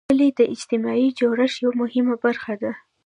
کلي د اجتماعي جوړښت یوه مهمه برخه ده.